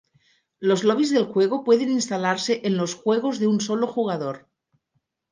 Los lobbies del juego pueden instalarse en los juegos de un solo jugador.